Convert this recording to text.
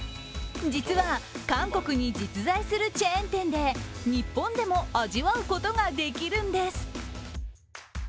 実は韓国に実在するチェーン店で日本でも味わうことができるんです。